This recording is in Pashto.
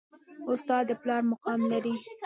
استاد د پلار مقام لري